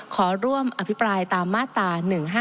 ขอร่วมอภิปรายตามมาตรา๑๕๗